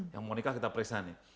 yang mau nikah kita periksa nih